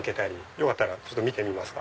よかったら見てみますか？